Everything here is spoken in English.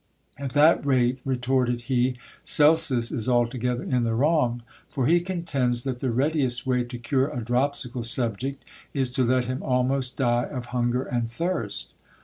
At that rate, retorted he, Celsus is altogether in the wrong ; for he contends that the readiest way to cure a dropsical subject is to let him almost die of hunger and thirst.